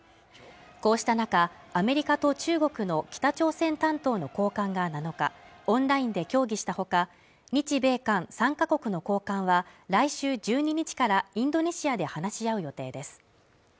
こうした中アメリカと中国の北朝鮮担当の高官が７日オンラインで協議したほか日米韓３か国の高官は来週１２日からインドネシアで話し合う予定です